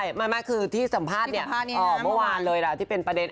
ไม่คือที่สัมภาษณ์เนี่ยเมื่อวานเลยล่ะที่เป็นประเด็น